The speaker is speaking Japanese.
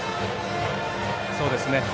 そうですね。